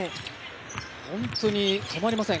本当に止まりません。